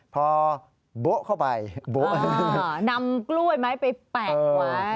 พอโบ๊ะเข้าไปโบ๊ะนำกล้วยไม้ไปแปะไว้